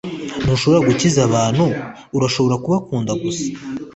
ntushobora gukiza abantu, urashobora kubakunda gusa.